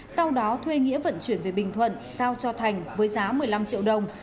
sau đó thuê nghĩa vận chuyển về bình thuận giao cho thành với giá một mươi năm triệu đồng